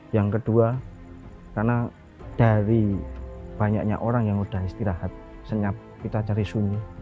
yang kedua karena dari banyaknya orang yang sudah istirahat senyap kita cari sunyi